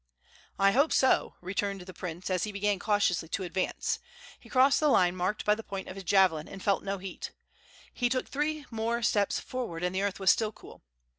"I hope so," returned the prince, as he began cautiously to advance. He crossed the line marked by the point of his javelin, and felt no heat. He took three more steps forward, and the earth was still cool.